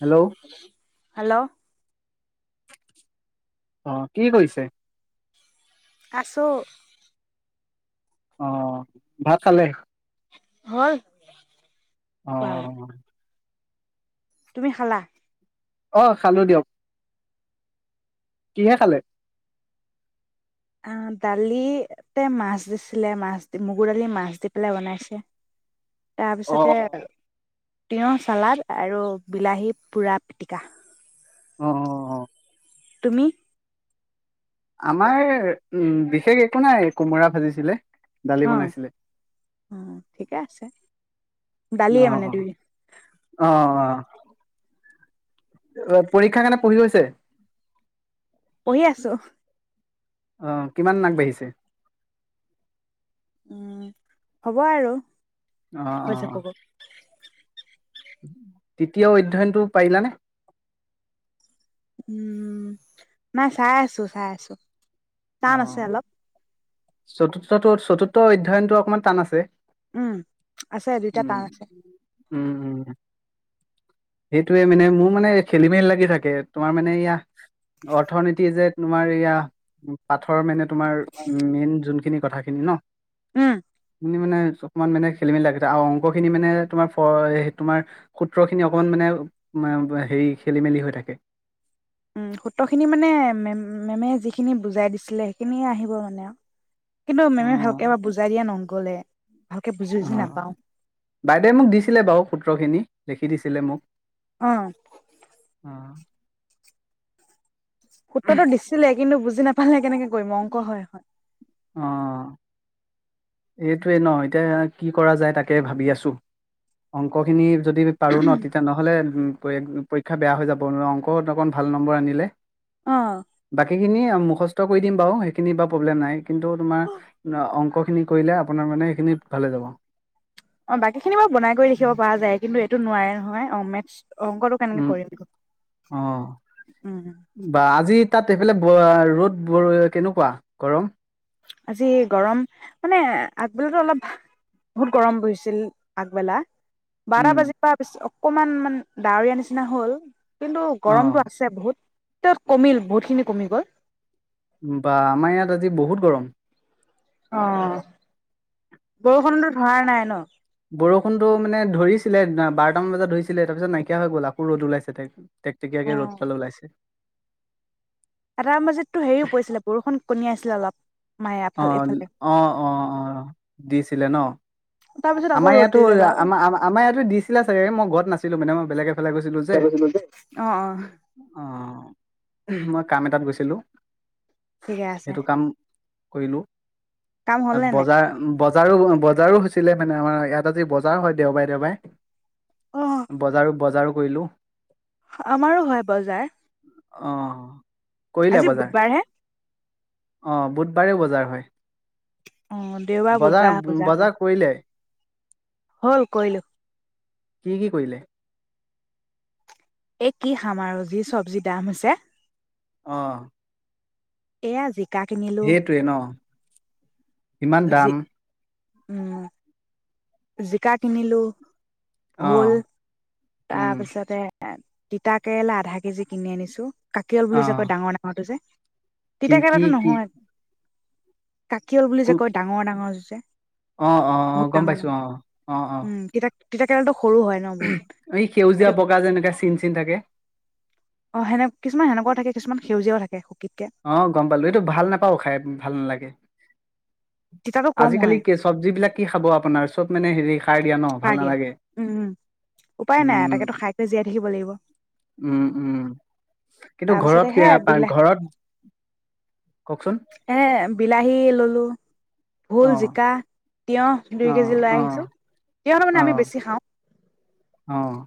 Hello hello অ', কি কৰিছে? আছো। অ', ভাত খালে? হ'ল খোৱা বোৱা অহ তুমি খালা? অ', খালো দিয়ক। কিহে খালে? আ, দালিতে মাছ দিছিলে, মাছ মগুৰ দালি, মাছ দি পেলাই বনাইছে। অ তাৰপিছতে তিয়ঁহ, চালাড আৰু বিলাহী পোৰা পিটিকা। অ', অ', অ'। তুমি? আমাৰ উম, বিশেষ একো নাই কোমোৰা ভাজিছিলে। দালি অ', বনাইছিলে অ', ঠিকে আছে অ দালিয়ে মানে দুই পৰীক্ষা কেনে পঢ়ি হৈছে? পঢ়ি আছো অহ, কিমান আগবাঢ়িছে? উম, হ'ব আৰু। অ', হৈ অ', অ'। যাবগৈ তেতিয়া অধ্যয়নটো পাৰিলানে? উম, নাই চাই আছো, চাই আছো। অ টান আছে অলপ। চতুৰ্থটো, চতুৰ্থ অধ্যয়নটো অকণমান টান আছে। উম, আছে দুইটা উম টান আছে। উম, উম। সেইটোয়ে মানে মোৰ মানে খেলি মেলি লাগি থাকে, তোমাৰ মানে এয়া অৰ্থনীতি যে তোমাৰ এয়া পাথৰ মেনেট তোমাৰ মেইন জোনখিনিত কথাখিনি ন? উম। নিত মানে অকমান মানে খেলি মেলি লাগি যায় আৰু অংক খিনি মানে তোমাৰ তোমাৰ সূত্ৰ খিনি অকন মানে আও হেই, খেলি মেলি হৈ থাকে। উম, সূত্ৰখিনি মানে মেম, মেমে যিখিনি বুজাই দিছিলে, সেইখিনিৱে আহিব মানে আও কিন্তু মেমে ভালকে এইবা বুজাই দিয়া নগ'লে ভালকে বুজি বুজি অ', নাপাও বাইদেউৱে মোক দিছিলে বাৰু সূত্ৰ খিনি খি দিছিলে মোক অ' অ' সূত্ৰটো দিছিলে কিন্তু বুজি নাপালে কেনেকে গৈমংক হয় হয় এইটোৱে ন এতিয়া কি কৰা যায় তাকে ভাবি আছো অংক খিনি যদি পাৰো ন তেতিয়া নহ'লে পৰীক্ষা বেয়া হৈ যাব ন অংক অকণ ভাল নম্বৰ আনিলে অ', বাকী খিনি কষ্ট কৰি দিম বাৰু সেইখিনি বা প্ৰব্লেম নাই। কিন্তু, তোমাৰ অংক খিনি কৰিলে আপোনাৰ মানে সেইখিনি ভালে যাব। অঁ, বাকী খিনি বাৰু বনাই কৰি লিখিব পৰা যায় কিন্তু এইটো নোৱাৰে নহয়। অঁ মেথচ উম, অঁ, উম, বা আজি তাত সেইফালে-ৰ'দ কেনেকুৱা গৰম। আজি গৰম মানে আগবেলাটো অলপ বহুত গৰম পৰিছিল আগবেলা। বাৰ উম বাজি প অকমান মান ডাৱৰীয়া নিচিনা হল। কিন্তু অঁ গৰমতটো আছে বহুত। ত কমিল বহুতখিনি কমি গ'ল। বা আমাৰ ইয়াত আজি বহুত গৰম। অঁঅ। বৰষুণতটো মানে ধৰিছে। ছিলে বাৰাটামান বজাত ধৰিছিলে তাৰ পিছত নকিয় হৈ গল আকৌ ৰদ ওলাইছে তাই। টে টেকীয়াকে ৰদ অ'। পাল ওলাইছে। এটাৰ মাজিততটো হেৰিও পৰিছিলে বৰষুণ কণী আছিল। অলপ অলপ অঁ, অঁ, অঁ, অঁ দিছিলে ন। তাৰপিছত আকৌ আমাৰ ৰ'দ ইয়াতো দি যায় বাৰু আ-আমাৰ ইয়াতো দিছিলে চাগে মই ঘৰত নাছিলো মেডেম। বেলেগে ছিল অঁ, অঁ। অঁ মই কাম এটাত গৈছিলো। ঠিকে আছে। কৰিলোঁ। কাম হ'ল নে নাই বজাৰ বজাৰো-বজাৰো হৈছিলে। মানে আমাৰ ইয়াত আজি বজাৰ হয় দেওবাৰে, অ দেওবাৰে। বজাৰো-বজাৰো, কইলো। আমাৰো হয় বজাৰ। অহ ', আজি বুধবাৰহে। অ ', বুধবাৰেও বজাৰ হয়। অ দেওবাৰ বজাৰ, বুধবাৰ হয় 'বজাৰ কৰিলে? হল কৰিলো। কি কি কৰিলে? এই কি খাম আৰু যি চব্জিৰ দাম হৈছে। অ', এয়া জিক, - সেইটোৱে ন',? ইমান জি দাম। উম, জিকা কিনিলো, অ ভোল, উম তাৰ পিছতে, তিতা- কেৰেলা আধা কেজি কিনি আনিছো। কাকিয়ল অ বুলি যে কয়, ডাঙৰ ডাঙৰটো যে- কি কি তিতা-কেৰেলাটো কি নহয়। কাকিয়ল বুলি যে কয় ডাঙৰ - ডাঙৰ, [unintelligible] অহ ', অহ ', - অহ বহুত গম ডাঙৰ ডাঙৰ পাইছো অ- অ- অ- অ উম তিতা কেৰেলাটো, - সৰু হয় ন', বহুত। এই সেউজীয়া এইটো বগা যেনেকে চিন- চিন থাকে। অ', সেনেক কিছুমান সেনেকুৱাও থাকে কিছুমান সেউজীয়াও থাকে। শুকিতকে অ', গম পালো এইটো ভাল নাপাও খাই ভাল নালাগে। তিতাটো কম আজিকালি হয় কে চব্জি বিলাক, কি খাব আপোনাৰ চব মানে হেৰি, সাৰ দিয়া ন ভাল সাৰ দিয়া। নালাগে উম', উপায় নাই উম তাকেতো খাইকৈ জীয়াই থাকিব লাগিব। উম উম কিন্তু তাৰ পিছতে ঘৰত হে সেয়া বিলাহ ঘৰত, কওকচোন এ, বিলাহী ললো ভোল, অ জিকা তিয়ঁহ দুই অ কেজি লৈ অ আহিছোঁ। তিয়ঁহটো মানে অ আমি বেছি খাওঁ। অ'।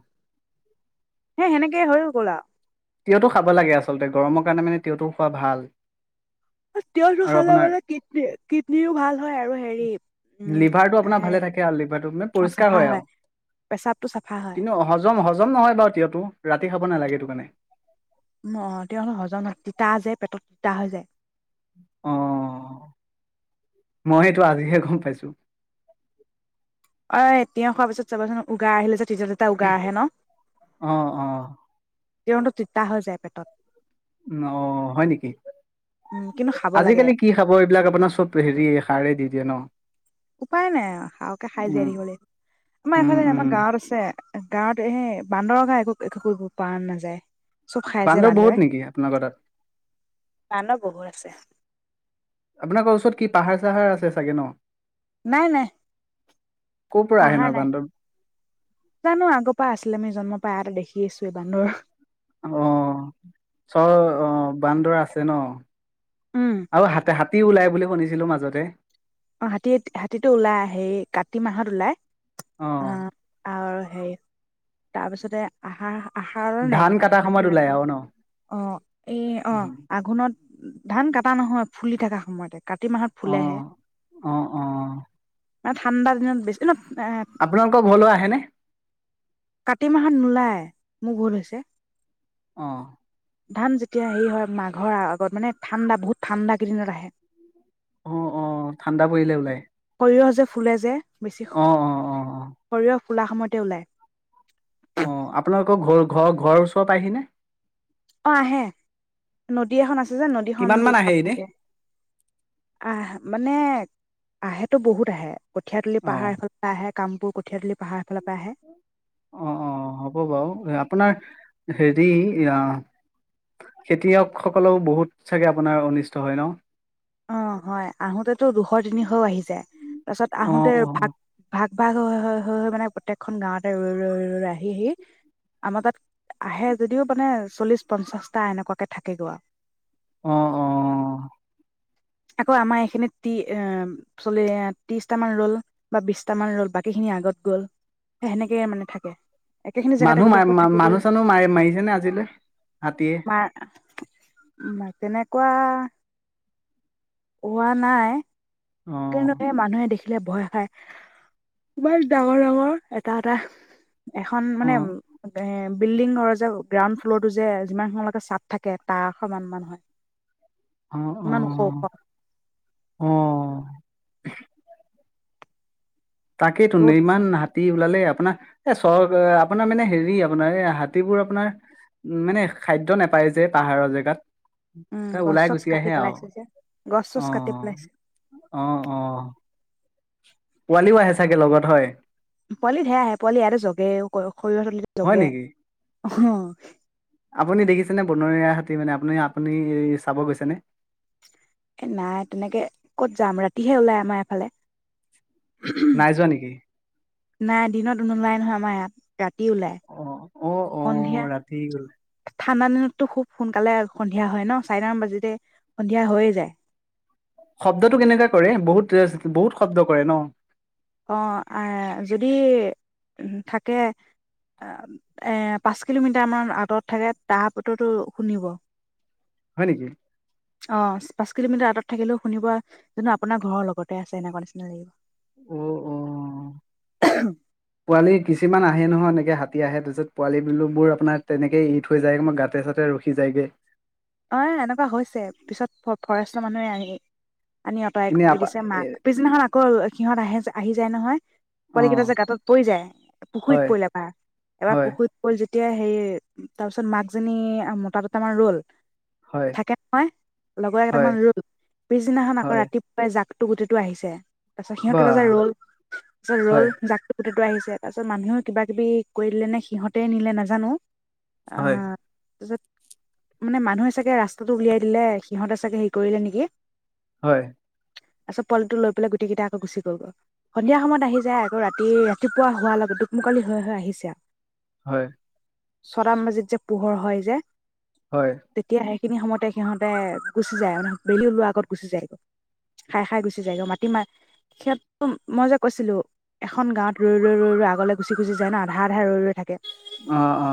হে সেনেকে হৈ গ'ল আ তিঁয়হটো খাব লাগে আচলতে, গৰমৰ কাৰণে মানে তিঁয়হটো খোৱা ভাল। আৰু তিয়হটো আৰু খালে আপোনাৰ মানে কিডনী কিডনীৰো ভাল হয় আৰু হেৰি উম লিভাৰটো আপোনাৰ হে ভালে থাকে আৰু লিভাৰটো মানে অ পৰিষ্কাৰ চাফা হয়, আৰু পেচাবটো চাফা হয় কিন্তু হজম, হজম নহয় বাৰু তিয়ঁহটো ৰাতি খাব নালাগে। টো কাণে অ', তিয়ঁহৰ হজম তিতা যে, পেটত তা হৈ যায় অ', মই এইটো আজিহে গম পাইছো। অ', তিয়ঁহ খোৱাৰ পিছত চাবাচোন উগাৰ আহিলে যে [unintelligible] এটা উগাৰ আহে ন? অ অ কিয়নো, তিতা হৈ যায় পেটত অ', হয়, নেকি? উম, কিন্তু খাব লাগে আজিকালি কি খাব এইবিলাক আপোনাৰ চব হেৰি সাৰে দি দিয়ে ন? উপায় নাই সাৰকে খাই‌ উম জীয়াই থাকিব লাগিব আমাৰ উম, এফালে উম, আমাৰ গাঁৱত আছে। গাঁৱত এই বান্দৰ গা একো-একো কৰিব পৰা নাযায়। চব খাই যে বান্দৰ বান্দৰে বহুত নেকি আপোনোকৰ তাত? বান্দৰ বহুত আছে আপোনালোকৰ ওচৰত কি পাহাৰ চাহাৰ আছে চাগে ন? নাই, নাই। ক'ৰ পৰা আহে ন পাহাৰ নাই। বান্দৰ? জানো আগৰ পৰা আছিলে, আমি জন্ম পা দেখি আছো, এই বান্দৰ অ' চ অ' বান্দৰ আছে ন? উম। আৰু হাতে হাত ওলাই বুলি শুনিছিলো মাজতে। প্ৰতি মাহত ওলায়। অ' আৰু তাৰপিছতে আহাৰ আহাৰৰ ধান নাইকিয়া। কাটাৰ সময়ত কাতি।, ওলাই আঘোণ আৰু ন? অ' এই অ' উম, আঘোণত ধান কাটা নহয়, ফুলি থকা সময়তে। কাতি মাহত অ'। ফুলেহে। অ', অ'। আৰু ঠাণ্ডা দিনত বেছি ন এ আপোনালোকৰ ঘৰলে আহেনে কাতি মাহত নোলায় মোক ভুল হৈছে আহঁ ধান যেতিয়া হেৰি হয় মাঘৰ আগত মানে ঠাণ্ডা বহুত ঠাণ্ডা কেইদিনত আহে অ অ ঠাণ্ডা পৰিলে ওলাই সৰিয়হ যে ফুলে যে বেছি অ', অ', অ', অ', সৰিয়হ খোলা সময়তে ওলায় অ আপোনালোকৰ ঘৰ ঘৰ ঘৰৰ ওচৰত আহিনে অ আহে নদী এখন আছে যে নদীখন কিমান মান প আহে এনে? থাকে আহ মানে আহে তো বহুত আহে কঠিয়াতুলি অ', পাহাৰ ফালে আহে কামবোৰ কঠীয়াাতলি পাহাৰৰ ফালৰ পৰা আহে অ অ হ'ব বাৰু আপোনাৰ হেৰি খেতিয়কসকলেও বহুত চাগে আপোনাৰ অনিষ্ট হয় ন অ হয় আহোতেতো দুশ তিনিশও আহি যায় তাৰপাছত অ', আহোতে অ', ভাগ ভাগ বা মানে প্ৰত্যেকখন গাঁৱতে ৰৈ ৰৈ ৰৈ ৰৈ আহি আহি আমাৰ তাত আহে যদিও মানে চল্লিশ পঞ্চাশটা এনেকুৱাকে থাকেগৈ আৰু অ অ আকৌ আমাৰ এইখিনিত আহ চল ত্ৰিশটা মান ৰ'ল বা বিশটামান ৰ'ল বাকীখিনি আগত গ'ল সেনেকে মানে থাকে একেখিনি জেগাতে মানুহ গোটেই সোপা ম থাকিবলৈ মানুহ চানুহ মাৰি মাৰিছেনে আজিলৈ হাতীয়ে মাৰ তেনেকুৱা হোৱা নাই অ', তেনে মানুহে দেখি বোলে ভয় খায় ইমান ডাঙৰ ডাঙৰ এটা এটা এখন মানে অ', এ বিল্ডিঙৰ যে গ্ৰাউণ্ড ফ্ল'ৰ টো যে যিমান সমলকে চফ থাকে তাৰ সমান মান হয় অ অ ক ক [inaudible] তাকেই তো নে বহুত ইমান হাত তি ওলালেই আপোনাৰ এ চ আপোনাৰ মানে হেৰি আপোনাৰ এই হাতীবোৰ আপোনাৰ মানে খাদ্য নেপায় যে পাহাৰৰ জেগাত উম তাই গছ ওলাই চছ গুচি আহ কাটি আহে আৰু পেলাইছে যে গছ চছ কাটি আহ পেলাইছে আহ অ পোৱালিও আহে চাগে লগত হয় পোৱালি সেয়া আহে পোৱালি ইয়াতে জগে সৰিয়হৰ পাল হয় জগে নেকি? হ আপুনি দেখিছেনে বনৰীয়া হাতী মানে আপুনি আপুনি এই চাব গৈছেনে এ নাই তেনেকে কত যাম ৰাতিহে ওলাই আমাৰ এফালে নাই যোৱা নেকি নাই দিনত নোলাই নহয় আমাৰ ইয়াত ৰাতি ওলাই অ অ অ সন্ধিয়া ৰাতি গল ঠাণ্ডা দিনত খুব সোনকালে সন্ধিয়া হয় ন চাৰিটা মান বাজোতে সন্ধিয়া হৈয়ে যায় শব্দটো কেনেককা কৰে বহুত বহুত শব্দ কৰে ন অ যদি থাকে এ পাঁচ কিলোমিটাৰমানান আঁতৰত থাকে তাতো শুনিব হয় নেকি অ পাঁচ কিলোমিটাৰ আঁত থাকিলেও শুনিবা কিন্তু আপোনাৰ ঘৰৰ লগতে আছে এনেকুৱা লাগিব অ অ পোৱালি কিছুমান আহে নহয় এনেকে হাত হাতি আহে তাৰপিছত পোৱালী বিলাক বোৰ আপোনাৰ তেনেকেই এৰি থৈ যায়গে মই গাঁতে চাতে ৰখি যায়গৈ অ এনেকুৱা হৈছে পিছত ফৰেষ্ট মানুহে আহি আনি আঁতৰাই এনে কৰি আপা দিছে এ মাক পিছদিনাখন আ আকৌ সিহঁত আহে আহি যায় নহয় অ পোৱালি কেইটা যে গাঁত পৰি যায় পুখুৰীত হয় পৰিল এবাৰ এবাৰ হয় পুখুৰীত পৰিল যেতি এতিয়া সেই তাৰপিছত মাকজনী মতা দুতামান ৰল হয় থাকে নহয় লগৰ কেইটামান হয় ৰল পিছদিনাখন আকৌ হয় ৰাতিপুৱাই যাক গোটেইটো আহিছে তাৰপিছত বা সিহঁতে যে ৰল তাৰপিছত ৰল হয় জাকটো গো আহিছে তাৰ পাছত মানুহে কিব কিবি কৰি দিলে নে সিহঁতে নিলে নাজানো অ হয় ত মানে মানুহে চাগে ৰাস্তাটো উলিয়াই দিলে সিহঁত চাগে হেৰি কৰিলে নেকি হয় তাৰিছত পুৱালিটো লৈ পেলাই গোটেই কেইটা আকৌ গুচি গল সন্ধিয়া সময়ত আহি যায় আকৌ ৰাতি ৰাতিপুৱা হোৱাৰ লগত দুকমুকালি হও হও আহিছে আৰু হয় ছয়টা মান বজাত যে পোহৰ হয় যে হয় তেতিয়া সেইখিনি সময়তে সিহঁতে গুচি যায় মান বেলি ওলোৱা আগত গুচি যায়গৈ খাই খাই গুচি যায়গৈ মাটি মাৰ সিহঁতো মই যে কৈছিলো এখন গাঁৱত ৰৈ ৰৈ ৰৈ ৰৈ আগলে গুচি গুচি যায় ন আধা আধা ৰৈ ৰৈ থাকে অ অ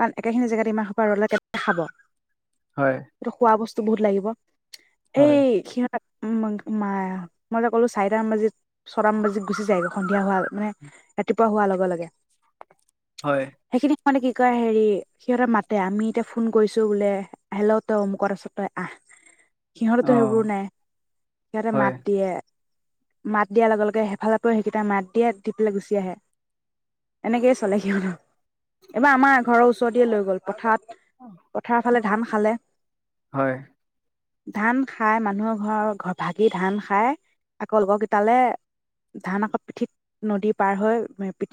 কাৰণ একেখিনি জেগাত ইমাহ সোপা ৰলে কেনেকে নো খাব হয় ৰখোৱা বস্তু বুত লাগিব [unintelligible] হয় এই সিহঁত উ মা মই এ ক'লো চাৰিটামান বাজি ছয়টামান বাজি গুচি যায়গৈ সন্ধিয়া হোৱা মানে ৰাতিপুৱা হোৱাৰ লগে লগে হয় মানে কি কয় হেৰি সিহতৰ মাতে আমি এতিয়া ফোন কৰিছো বোলে হেল্ল তই অমোকত আছ আহ সিহঁতেতো অ সেইবোৰ নাই সিহঁতে হয় মাত দিয়ে মাত দিয়াৰ লগে লগে এেইফালে পৰা সেইকেইটা মাত দিয়ে দি পেলাই গুচি আহে এনেকেইে চলে সিয়হতো এইবাৰ আমাৰ ঘৰৰ ওচৰতে লৈ গ'ল পথাৰত পথাৰৰ ফালে ধান খালে হয় ধান খাই মানুহৰ ঘৰৰ ঘ ভাগি ধান খাই আকৌ লগৰ কেইটালে ধান আকৌ পিঠিত নদী পাৰ হৈ পিঠিত